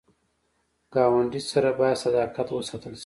ګاونډي سره باید صداقت وساتل شي